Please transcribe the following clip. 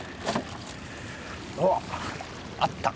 おっ！あった。